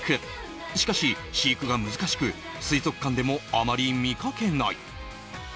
しかし、飼育が難しく、水族館でもあまり見かけない。